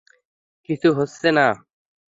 কিছু হচ্ছে না।